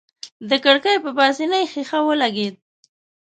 د کړکۍ په پاسنۍ ښيښه ولګېد.